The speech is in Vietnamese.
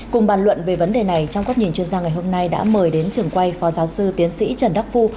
cùng bàn luận về vấn đề này trong góc nhìn chuyên gia ngày hôm nay đã mời đến trường quay phó giáo sư tiến sĩ trần đắc phu